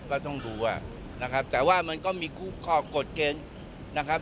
ก็ต้องดูอ่ะนะครับแต่ว่ามันก็มีคู่ข้อกฎเกณฑ์นะครับ